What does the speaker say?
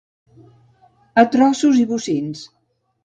A trossos i bocins.